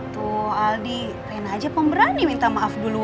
tuh aldi pengen aja pemberani minta maaf duluan